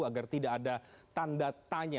agar tidak ada tanda tanya